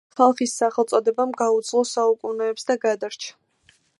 ხალხის სახელწოდებამ გაუძლო საუკუნეებს და გადარჩა.